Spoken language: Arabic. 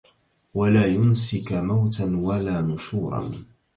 وَلَا يُنْسِيك مَوْتًا وَلَا نُشُورًا